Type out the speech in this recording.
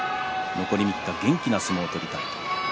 残り３日元気な相撲を取りたい。